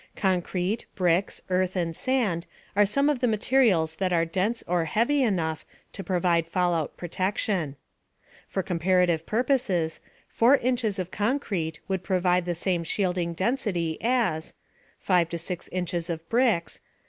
Concrete, bricks, earth and sand are some of the materials that are dense or heavy enough to provide fallout protection. For comparative purposes, 4 inches of concrete would provide the same shielding density as: 5 to 6 inches of bricks.